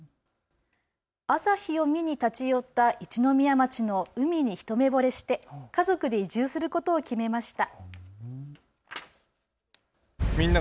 朝日を見に立ち寄った一宮町の海に一目ぼれして家族で移住することを決めました。